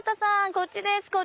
こっちです。